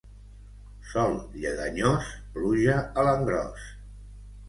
Sol lleganyós, pluja a l'engròs.